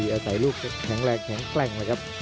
อาศัยลูกแข็งแรงแข็งแกร่งเลยครับ